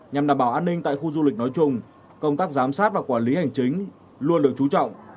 nhằm đảm bảo an ninh tại khu du lịch nói chung công tác giám sát và quản lý hành chính luôn được chú trọng